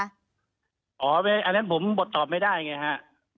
อันนั้นผมบทตอบไม่ได้ไงฮะ